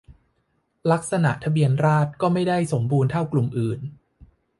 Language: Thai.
ลักษณะทะเบียนราฎษร์ก็ไม่ได้สมบูรณ์เท่ากลุ่มอื่น